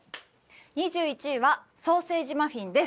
２１位はソーセージマフィンです。